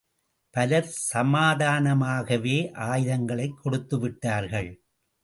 பலர் சமாதானமாகவே ஆயுதங்களைக் கொடுத்துவிட்டார்கள்.